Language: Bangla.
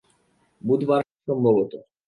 বুধবার, সম্ভবত।